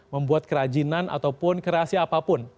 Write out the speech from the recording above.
membuat kerajinan ataupun kreasi apapun